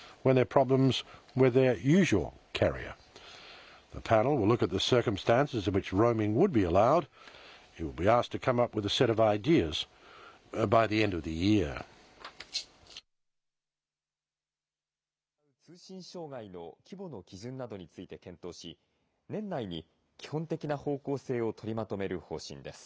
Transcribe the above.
検討会では、ローミングを行う通信障害の規模の基準などについて検討し、年内に基本的な方向性を取りまとめる方針です。